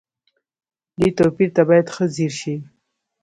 دې توپير ته بايد ښه ځير شئ.